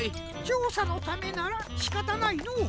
ちょうさのためならしかたないのう。